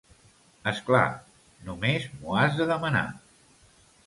És clar, només m'ho has de demanar.